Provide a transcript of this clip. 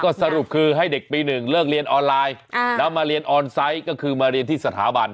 ก็สรุปคือให้เด็กปี๑เลิกเรียนออนไลน์แล้วมาเรียนออนไซต์ก็คือมาเรียนที่สถาบัน